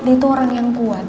dia itu orang yang kuat